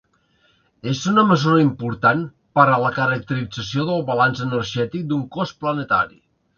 És una mesura important per a la caracterització del balanç energètic d'un cos planetari.